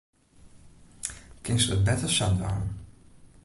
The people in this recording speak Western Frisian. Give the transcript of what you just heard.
Kinst it better sa dwaan.